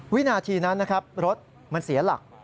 วินาทีนั้นนะครับรถมันเสียหลัก